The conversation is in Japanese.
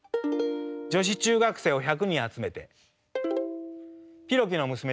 女子中学生を１００人集めてぴろきの娘